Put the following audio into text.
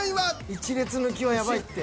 １列抜きはやばいって。